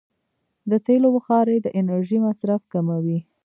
د تېلو بخاري د انرژۍ مصرف کموي.